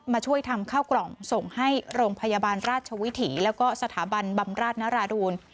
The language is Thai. มาช่วยทำข้าวกล่องส่งให้โรงพยาบาลราชวิถีแล้วก็สถาบันบำราชนราดูล